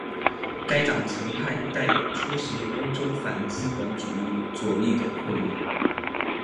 该党曾派代表出席欧洲反资本主义左翼的会议。